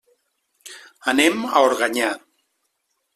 Anem a Organyà.